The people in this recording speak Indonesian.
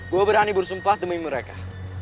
gue berani bersumpah demi mereka